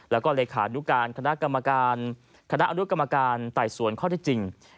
และเลขาดุการณ์คณะอรุกรรมการไต่สวนข้อที่จริง